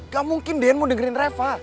gak mungkin dean mau dengerin reva